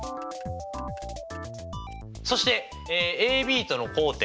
そしてＡＢとの交点